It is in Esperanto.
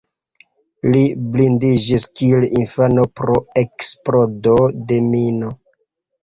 Li blindiĝis kiel infano pro eksplodo de mino.